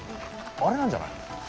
あれなんじゃない？